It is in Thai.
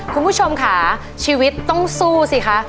คุณผู้ชมค่ะชีวิตต้องสู้สิคะ